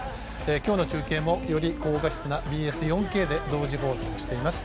今日の中継もより高画質なＢＳ４Ｋで同時放送しています。